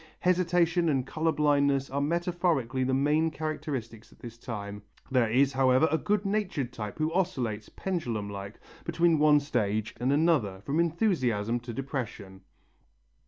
Hesitation and colour blindness are metaphorically the main characteristics at this time. There is, however, a good natured type who oscillates, pendulum like, between one stage and another, from enthusiasm to depression.